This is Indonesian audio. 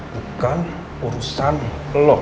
bukan urusan lo